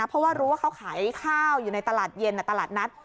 เพราะว่ารู้ว่าเขาขายข้าวอยู่ในตลาดเย็นตลาดนัด